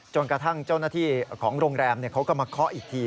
จนกระทั่งเจ้าหน้าที่ของโรงแรมเขาก็มาเคาะอีกที